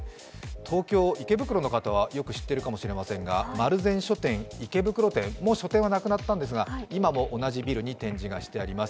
東京・池袋の方はよく知っているかもしれませんが丸善書店、池袋店、もう書店はなくなったんですが、今も同じビルに展示してあります。